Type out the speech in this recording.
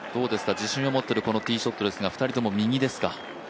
自信を持っているティーショットですが、２人とも右ですか？